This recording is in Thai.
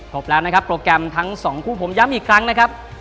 บแล้วนะครับโปรแกรมทั้งสองคู่ผมย้ำอีกครั้งนะครับ